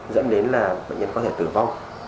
dẫn đến là bệnh nhân có thể tử vong